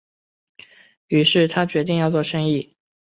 於是他决定要做生意